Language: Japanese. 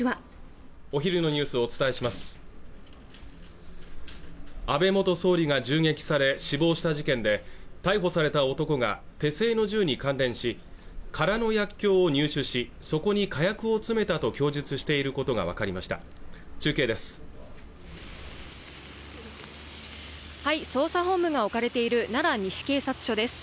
お昼のニュースをお伝えします安倍元総理が銃撃され死亡した事件で逮捕された男が手製の銃に関連し空の薬きょうを入手しそこに火薬を詰めたと供述していることが分かりました中継です